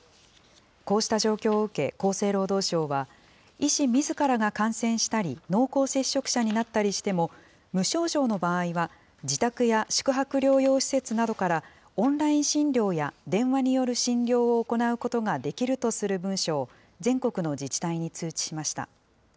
こうした状況を受け厚生労働省は、医師みずからが感染したり、濃厚接触者になったりしても、無症状の場合は、自宅や宿泊療養施設などから、オンライン診療や電話による診療を行うことができるとする文書を、全国の自治体に通知しました。